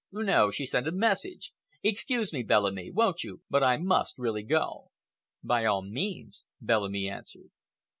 "No, she sent a message. Excuse me, Bellamy, won't you, but I must really go." "By all means," Bellamy answered.